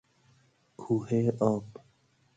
کوهه آب